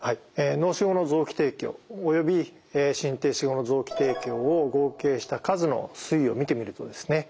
脳死後の臓器提供および心停止後の臓器提供を合計した数の推移を見てみるとですね